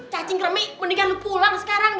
cacing kremi mendingan lo pulang sekarang deng